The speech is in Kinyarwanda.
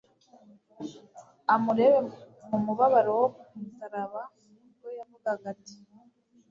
Amurebe mu mubabaro wo ku musaraba, ubwo yavugaga ati,